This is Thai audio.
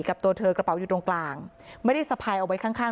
กับตัวเธอกระเป๋าอยู่ตรงกลางไม่ได้สะพายเอาไว้ข้างข้าง